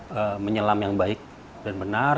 bisa menyelam yang baik dan benar